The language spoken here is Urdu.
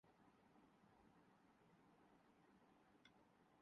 عزیر جسوال نے اداکاری کے میدان میں قدم رکھ لیا